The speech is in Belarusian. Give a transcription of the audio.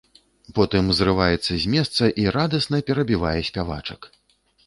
Потым зрываецца з месца і радасна перабівае спявачак.